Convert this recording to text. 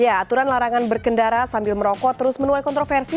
ya aturan larangan berkendara sambil merokok terus menuai kontroversi